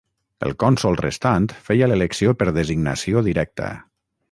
El cònsol restant feia l'elecció per designació directa.